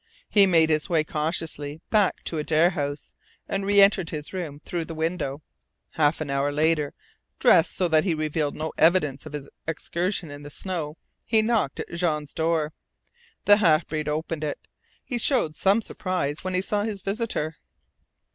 He made his way cautiously back to Adare House, and reentered his room through the window. Half an hour later, dressed so that he revealed no evidence of his excursion in the snow, he knocked at Jean's door. The half breed opened it. He showed some surprise when he saw his visitor.